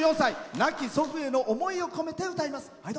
亡き祖父への思いを込めて歌います。